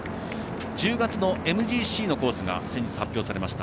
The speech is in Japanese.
１０月のＭＧＣのコースが先日発表されました。